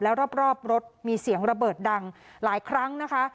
แล้วรอบรถมีเสียงระเบิดดังหลายครั้งนะคะ